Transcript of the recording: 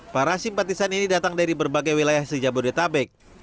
para simpatisan ini datang dari berbagai wilayah sejak bodetabek